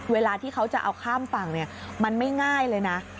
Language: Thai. เวลาที่เขาจะเอาข้ามฝั่งมันไม่ง่ายเลยนะ